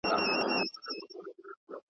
o چي نه کار، په هغه دي څه کار.